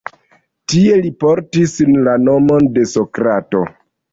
Tie li portis la nomon de Sokrato.